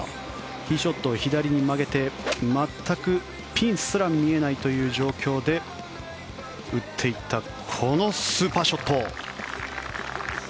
ティーショットを左に曲げて全くピンすら見えないという状況で打っていったこのスーパーショット。